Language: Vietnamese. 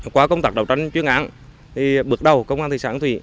qua công tác đầu tránh chuyên án bước đầu công an thị xã hương thủy